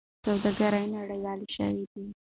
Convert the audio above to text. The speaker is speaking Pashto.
سوداګري نړیواله شوې ده.